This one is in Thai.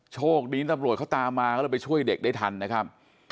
โชคดีตำรวจเขาตามมาก็เลยไปช่วยเด็กได้ทันนะครับ